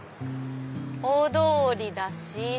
大通りだし。